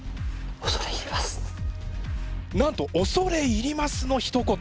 なんと「恐れ入ります」のひと言。